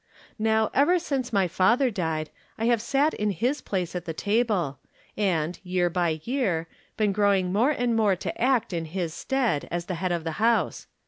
Now, ever since my father died, I have sat in his place at the table, and, year by year, been growing more and more to act in his stead as the head of the house.